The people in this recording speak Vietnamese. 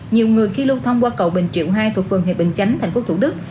nhiều người khi lưu thông qua cầu bình triệu hai thuộc phường hiệp bình chánh tp thủ đức